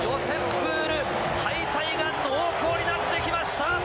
プール敗退が濃厚になってきました。